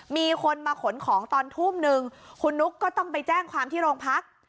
มีคนมาขนของตอนทุ่มนึงคุณนุ๊กก็ต้องไปแจ้งความที่โรงพัก